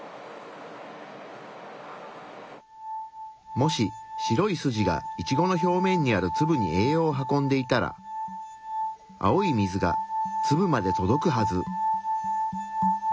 もし白い筋がイチゴの表面にあるツブに栄養を運んでいたら青い水がツブまで届くはず。